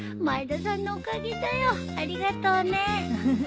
前田さんのおかげだよありがとうね。